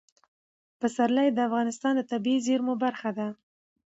پسرلی د افغانستان د طبیعي زیرمو برخه ده.